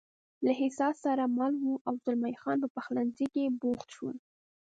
له احساس سره مل و، او زلمی خان په پخلنځي کې بوخت شول.